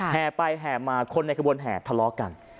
แห่ไปแห่มาคนในขบวนแห่ทะเลาะกัน